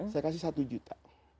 saya kasih satu juta